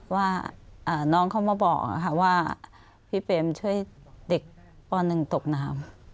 ว่าน้องเขามาบอกนะคะว่าพี่เตมช่วยเด็กปหนึ่งตกน้ำ